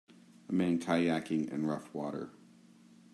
A man kiyaking in rough water.